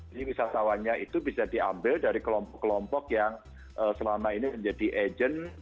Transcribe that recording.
jadi wisatawannya itu bisa diambil dari kelompok kelompok yang selama ini menjadi agent